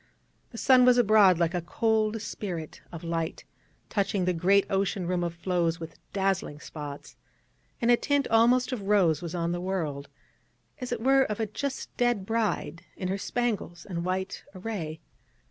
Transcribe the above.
The sun was abroad like a cold spirit of light, touching the great ocean room of floes with dazzling spots, and a tint almost of rose was on the world, as it were of a just dead bride in her spangles and white array.